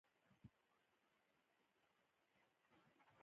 د نجونو تعلیم د ویب پاڼو جوړولو مهارت ورکوي.